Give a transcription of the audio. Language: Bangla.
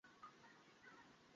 এই নাম শুনেই সে গলে যাবে।